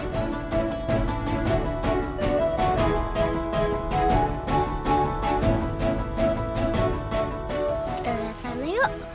kita ke sana yuk